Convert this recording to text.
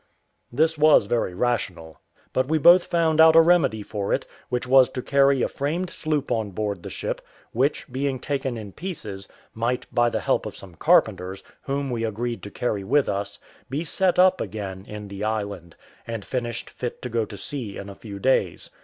This was very rational; but we both found out a remedy for it, which was to carry a framed sloop on board the ship, which, being taken in pieces, might, by the help of some carpenters, whom we agreed to carry with us, be set up again in the island, and finished fit to go to sea in a few days.